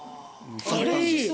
それいい。